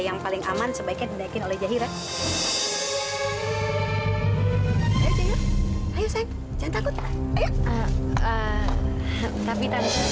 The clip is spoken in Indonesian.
sampai jumpa di video selanjutnya